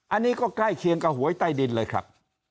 อันนี้ก็ใกล้เคียงกับหวยใต้ดินเลยครับ